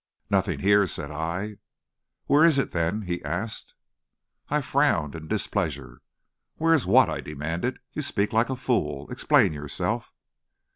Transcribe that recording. "Nothing here," said I. "Where is it, then?" he asked. I frowned in displeasure. "Where is what?" I demanded. "You speak like a fool. Explain yourself."